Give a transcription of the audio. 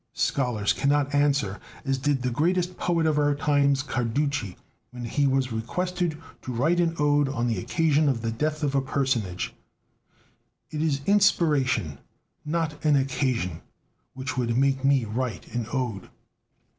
Scholars cannot answer as did the greatest poet of our times, Carducci, when he was requested to write an ode on the occasion of the death of a personage: "It is inspiration, not an occasion, which would make me write an ode."